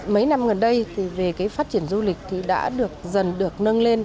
mấy năm gần đây thì về cái phát triển du lịch thì đã được dần được nâng lên